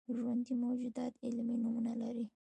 ژوندي موجودات علمي نومونه لري